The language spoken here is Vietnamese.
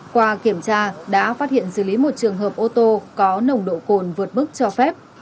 qua kiểm tra đã phát hiện xử lý một trường hợp ô tô có nồng độ cồn vượt mức cho phép